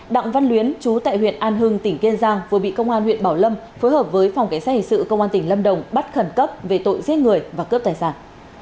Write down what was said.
đặng văn luyến chú tại huyện an hưng tỉnh kiên giang vừa bị công an huyện bảo lâm phối hợp với phòng cảnh sát hình sự công an tỉnh lâm đồng bắt khẩn cấp về tội giết người và cướp tài sản